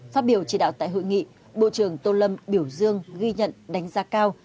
phát biểu chỉ đạo tại hội nghị bộ trưởng tô lâm biểu dương ghi nhận đánh giá cao